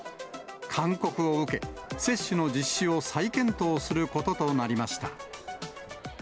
勧告を受け、接種の実施を再検討することとなりました。